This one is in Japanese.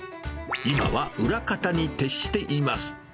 今は裏方に徹しています。